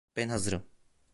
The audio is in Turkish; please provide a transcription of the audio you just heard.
Ben hazırım.